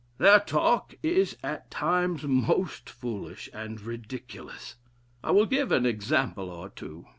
Their talk is at times most foolish and ridiculous. I will give an example or two.